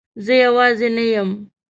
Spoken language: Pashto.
زه یوازی نه یم